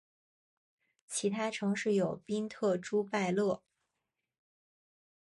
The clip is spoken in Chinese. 其他城市有宾特朱拜勒。